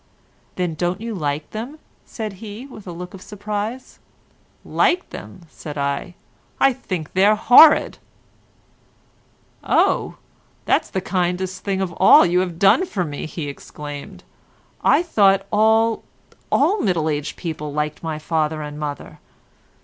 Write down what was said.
"Then don't you like them?" said he, with a look of surprise. "Like them!" said I, "I think they're horrid." "Oh, that's the kindest thing of all you have done for me," he exclaimed, "I thought all—all middle aged people liked my father and mother."